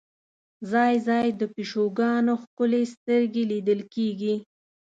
ځای ځای د پیشوګانو ښکلې سترګې لیدل کېږي.